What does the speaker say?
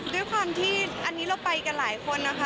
ด้วยความที่อันนี้เราไปกันหลายคนนะคะ